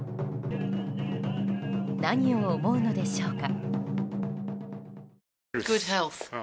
何を思うのでしょうか？